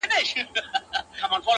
ه په سندرو کي دي مينه را ښودلې _